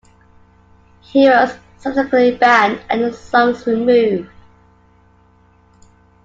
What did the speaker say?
He was subsequently banned, and the songs removed.